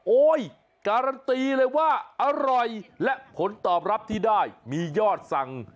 การันตีเลยว่าอร่อยและผลตอบรับที่ได้มียอดสั่ง